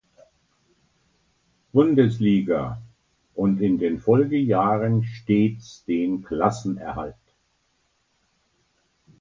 Bundesliga und in den Folgejahren stets den Klassenerhalt.